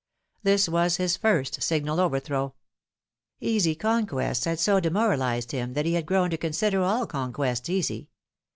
This was his first signal overthrow. Easy conquests had so demoralised him that he had grown to consider all conquests easy.